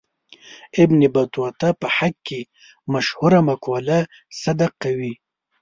ابن بطوطه په حق کې مشهوره مقوله صدق کوي.